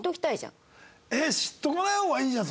えっ知っておかない方がいいじゃん。